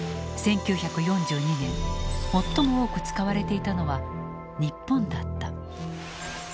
１９４２年最も多く使われていたのは「日本」だった。